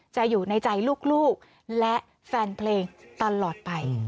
อยู่ในใจลูกและแฟนเพลงตลอดไป